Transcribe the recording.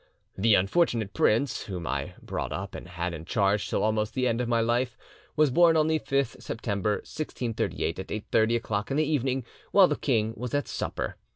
"'The unfortunate prince whom I brought up and had in charge till almost the end of my life was born on the 5th September 1638 at 8.30 o'clock in the evening, while the king was at supper.